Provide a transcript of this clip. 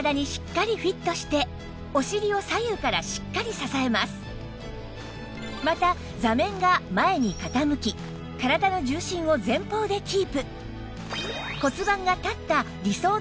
さらにまた座面が前に傾き体の重心を前方でキープ